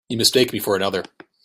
You mistake me for another.